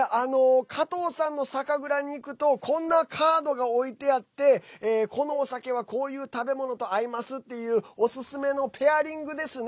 加藤さんの酒蔵に行くとこんなカードが置いてあってこのお酒は、こういう食べ物と合いますっていうおすすめのペアリングですね。